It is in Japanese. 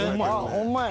ほんまや。